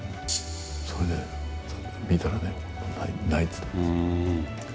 それで見たらね、やっぱり泣いてたんですよ。